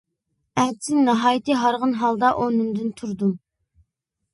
ئەتىسى ناھايىتى ھارغىن ھالدا ئورنۇمدىن تۇردۇم.